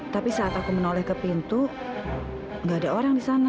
tapi saat aku menoleh ke pintu gak ada orang di sana